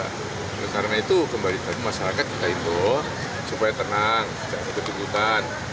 karena itu kembali ke masyarakat kita itu supaya tenang jangan terkejutkan